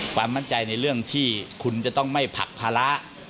ความมั่นใจในเรื่องที่คุณจะต้องไม่ผลักภาระ